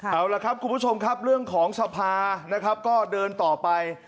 เอาละครับคุณผู้ชมครับเรื่องของสภานะครับก็เดินต่อไป